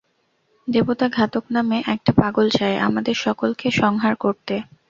দেবতা ঘাতক নামে একটা পাগল চায় আমাদের সকলকে সংহার করতে।